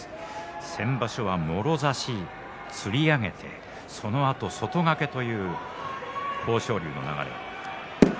先場所はもろ差し、つり上げてそのあと外掛けという豊昇龍の流れでした。